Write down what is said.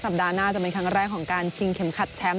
ปัดหน้าจะเป็นครั้งแรกของการชิงเข็มขัดแชมป์